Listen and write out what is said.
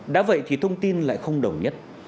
đã vậy thì thông tin lại không đồng nhất